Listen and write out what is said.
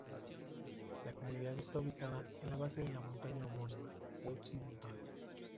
La comunidad está ubicada en la base de la montaña homónima, "West Mountain".